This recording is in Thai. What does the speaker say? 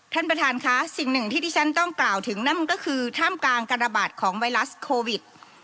ท่านประธานค่ะสิ่งหนึ่งที่ที่ฉันต้องกล่าวถึงนั่นก็คือท่ามกลางการระบาดของไวรัสโควิด